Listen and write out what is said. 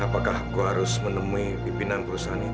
apakah aku harus menemui pimpinan perusahaan itu